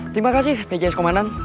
terima kasih pjs komandan